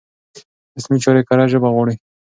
رسمي چارې کره ژبه غواړي.